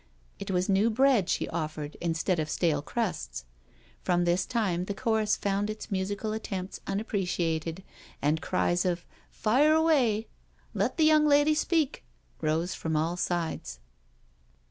It was new bread she offered instead of stale crusts. From this time the chorus found its musi cal attempts unappreciated, and cries of "Fire away I" "Let the young lady speak I" rose from all sides.